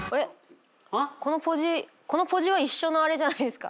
このポジは一緒のあれじゃないですか？